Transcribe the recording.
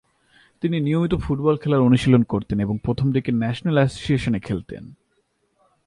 তিনি নিয়মিত ফুটবল খেলার অনুশীলন করতেন এবং প্রথমদিকে ন্যাশনাল অ্যাসোসিয়েশনে খেলতেন।